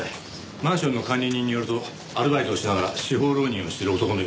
マンションの管理人によるとアルバイトをしながら司法浪人をしている男のようです。